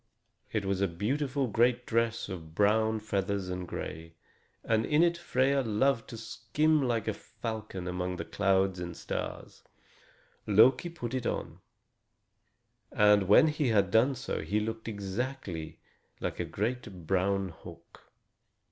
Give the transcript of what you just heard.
It was a beautiful great dress of brown feathers and gray, and in it Freia loved to skim like a falcon among the clouds and stars. Loki put it on, and when he had done so he looked exactly like a great brown hawk.